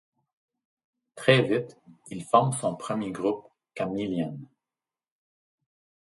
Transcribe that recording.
Très vite, il forme son premier groupe, Kameelian.